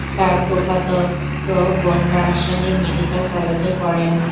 তার ফুফাতো বোন রাজশাহী মেডিকেল কলেজে পড়ে।